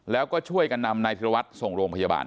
แล้วก็ช่วยกันนำนายธิรวัตรส่งโรงพยาบาล